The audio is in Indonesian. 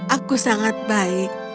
aku sangat baik